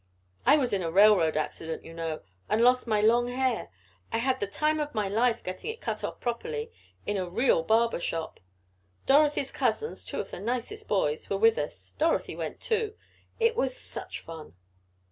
"I was in a railroad accident, you know, and lost my long hair. I had the time of my life getting it cut off properly, in a real barber shop. Dorothy's cousins, two of the nicest boys, were with us Dorothy went too. It was such fun."